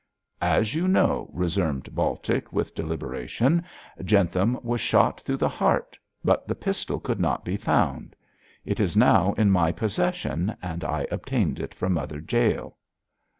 'As you know,' resumed Baltic, with deliberation, 'Jentham was shot through the heart, but the pistol could not be found. It is now in my possession, and I obtained it from Mother Jael!'